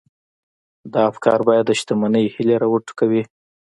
دا افکار بايد د شتمنۍ هيلې را وټوکوي.